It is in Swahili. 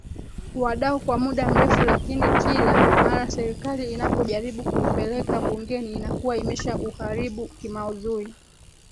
wadau kwa muda mrefu lakini kila mara Serikali inapojaribu kuupeleka Bungeni inakuwa imeshauharibu kimaudhui